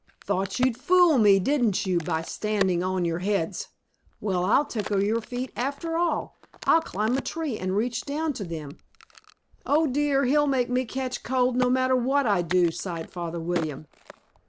Thought you'd fool me, didn't you, by standing on your heads! Well, I'll tickle your feet after all. I'll climb a tree and reach down to them!" "Oh, dear! He'll make me catch cold no matter what I do," sighed Father William.